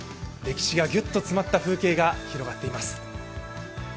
歴史がギュッと詰まった風景が広がっています。